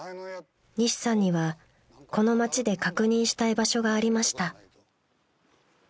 ［西さんにはこの町で確認したい場所がありました］